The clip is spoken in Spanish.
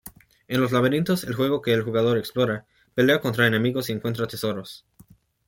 En los laberintos, el equipo del jugador explora, pelea contra enemigos y encuentra tesoros.